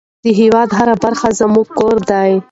د هېواد هره برخه زموږ کور دی.